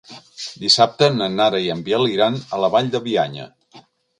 Dissabte na Nara i en Biel iran a la Vall de Bianya.